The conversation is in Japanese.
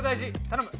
頼む。